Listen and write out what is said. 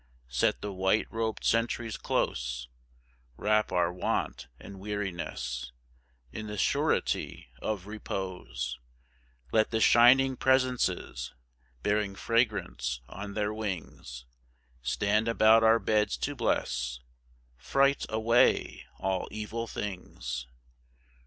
"Set the white robed sentries close, Wrap our want and weariness In the surety of repose; Let the shining presences, Bearing fragrance on their wings, Stand about our beds to bless, Fright away all evil things.